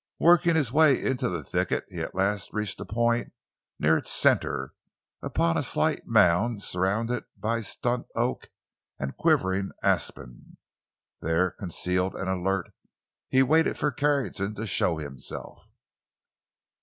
Working his way into the thicket, he at last reached a point near its center, upon a slight mound surrounded by stunt oak and quivering aspen. There, concealed and alert, he waited for Carrington to show himself.